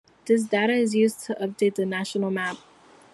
This data is used to update "The National Map".